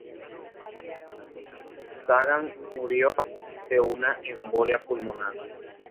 Sagan murió de una embolia pulmonar.